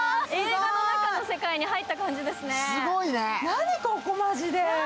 何ここ、マジで。